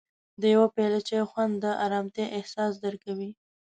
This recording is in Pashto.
د یو پیاله چای خوند د ارامتیا احساس درکوي.